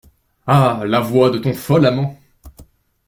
Ah ! la voix de ton fol amant !